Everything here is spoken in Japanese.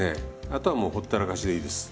あとはもうほったらかしでいいです。